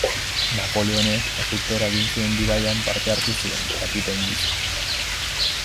Napoleonek Egiptora egin zuen bidaian parte hartu zuen, kapitain gisa.